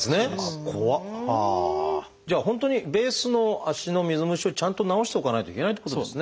じゃあ本当にベースの足の水虫をちゃんと治しておかないといけないってことですね。